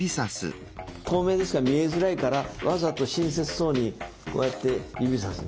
透明ですから見えづらいからわざと親切そうにこうやって指さす。